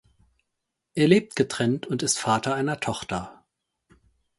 Er lebt getrennt und ist Vater einer Tochter.